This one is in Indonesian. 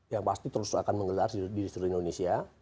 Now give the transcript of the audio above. yang pasti terus akan menggelar di seluruh indonesia